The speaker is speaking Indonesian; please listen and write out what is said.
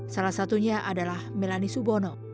salah satunya adalah melani subono